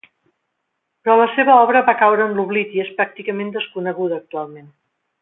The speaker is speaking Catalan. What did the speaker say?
Però la seva obra va caure en l'oblit i és pràcticament desconeguda actualment.